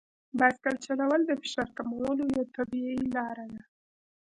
بایسکل چلول د فشار کمولو یوه طبیعي لار ده.